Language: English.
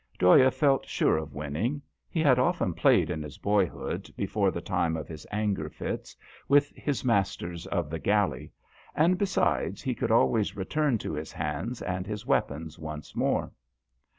Dhoya felt sure of winning. He had often played in his boyhood, before the time of his anger fits, with his masters of the galley ; and besides, he could always return to his hands and his weapons once more.